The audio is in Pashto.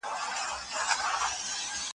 زما په موبایل کې دوه سوه شمیرې موجودې دي.